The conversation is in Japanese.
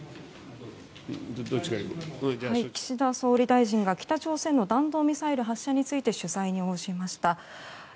岸田総理大臣が北朝鮮の弾道ミサイル発射について取材に応じました。